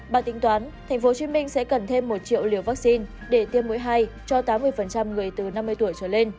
bà tính toán tp hcm sẽ cần thêm một triệu liều vaccine để tiêm mũi hai cho tám mươi người từ năm mươi tuổi trở lên